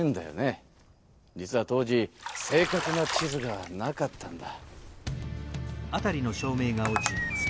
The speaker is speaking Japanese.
実は当時正確な地図がなかったんだ。